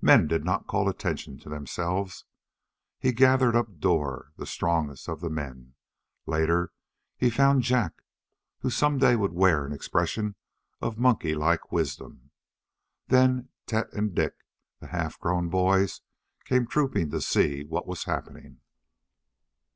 Men did not call attention to themselves! He gathered up Dor, the strongest of the men. Later, he found Jak who some day would wear an expression of monkey like wisdom. Then Tet and Dik, the half grown boys, came trooping to see what was happening.